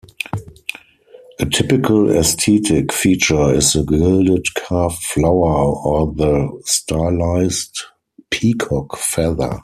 A typical aesthetic feature is the gilded carved flower, or the stylized peacock feather.